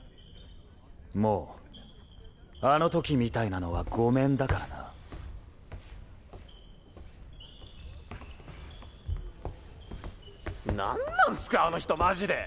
もうあの時みたいなのはごめんだからな。何なんスかあの人マジで！